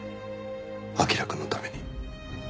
彬くんのために。